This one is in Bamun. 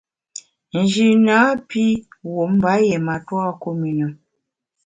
Nji napi wum mba yié matua kum i na.